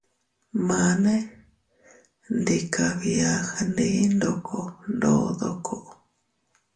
Mane ndi kabia gndi ndoko ndodoko.